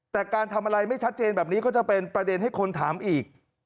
แต่การทำอะไรไม่ชัดเจนแบบนี้ก็จะเป็นประเด็นให้คนถามอีก